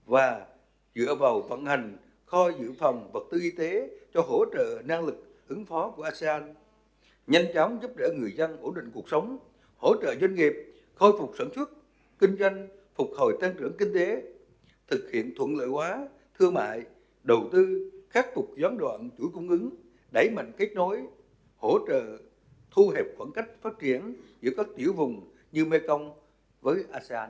và dựa vào vận hành kho dự phòng vật tư y tế cho hỗ trợ năng lực ứng phó của asean nhanh chóng giúp đỡ người dân ổn định cuộc sống hỗ trợ doanh nghiệp khôi phục sản xuất kinh doanh phục hồi tăng trưởng kinh tế thực hiện thuận lợi hóa thương mại đầu tư khắc phục gióng đoạn chuỗi cung ứng đẩy mạnh kết nối hỗ trợ thu hẹp khoảng cách phát triển giữa các tiểu vùng như mekong với asean